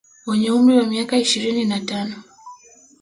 Wenye umri wa miaka ishirini na tano